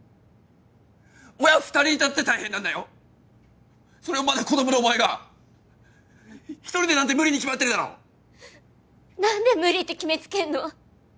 親二人いたって大変なんだよそれをまだ子供のお前が一人でなんて無理に決まってるだろ何で無理って決めつけんの？